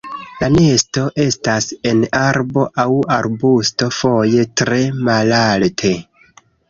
La nesto estas en arbo aŭ arbusto, foje tre malalte.